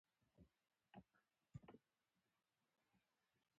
پښتون سړی باید پښتو ته کار وکړي.